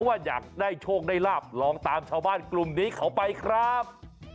ว่าอยากได้โชคได้ลาบลองตามชาวบ้านกลุ่มนี้เขาไปครับ